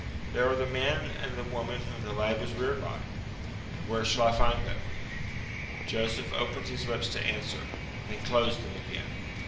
"There are the man and the woman whom the lad was reared by." "And where shall I find them?" Joseph opened his lips to answer, then closed them again.